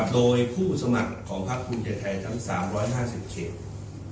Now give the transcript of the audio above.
โดยผู้สมัครของพระคุมเจย์ไทยทั้ง๓๕๐เฉพาะ